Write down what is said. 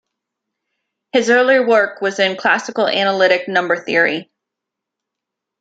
His early work was in classical analytic number theory.